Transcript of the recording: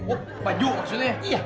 oh baju maksudnya